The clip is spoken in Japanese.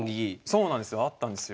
そうなんですよあったんですよ。